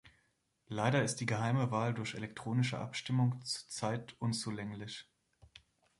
Leider ist die geheime Wahl durch elektronische Abstimmung zurzeit unzulänglich.